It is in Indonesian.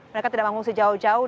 mereka tidak mengungsi jauh jauh